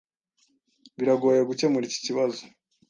Biragoye gukemura iki kibazo.